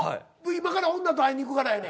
今から女と会いに行くからやねん。